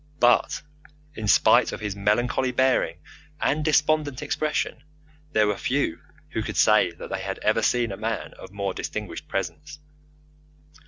But in spite of his melancholy bearing and despondent expression, there were few who could say that they had ever seen a man of more distinguished presence.